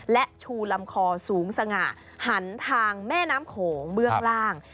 และชูลำคอสูงสง่าหันทางแม่น้ำโขงเบื้องล่าง